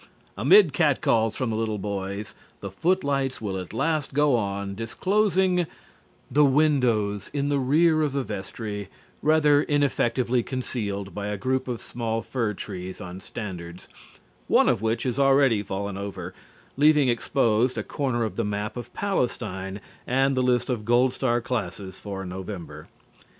Amid catcalls from the little boys, the footlights will at last go on, disclosing: The windows in the rear of the vestry rather ineffectively concealed by a group of small fir trees on standards, one of which has already fallen over, leaving exposed a corner of the map of Palestine and the list of gold star classes for November.